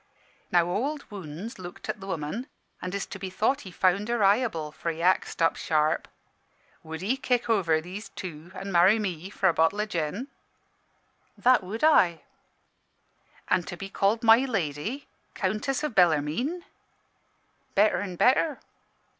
"Now Ould Wounds looked at the woman; an' 'tis to be thought he found her eyeable, for he axed up sharp "'Would 'ee kick over these two, an' marry me, for a bottle o' gin?' "'That would I.' "'An' to be called My Lady Countess o' Bellarmine?' "'Better an' better.'